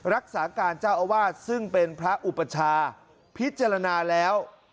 รักษาการเจ้าอาวาสซึ่งเป็นพระอุปชาพิจารณาแล้ว